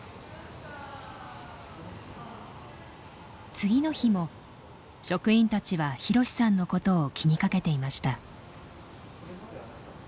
次の日も職員たちはひろしさんのことを気にかけていました。